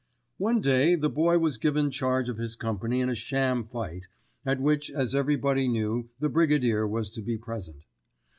One day the Boy was given charge of his company in a sham fight, at which as everybody knew the Brigadier was to be present.